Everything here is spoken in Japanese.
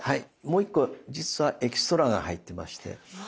もう１個実はエキストラが入ってまして。